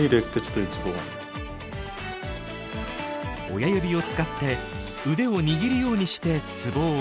親指を使って腕を握るようにしてツボを押します。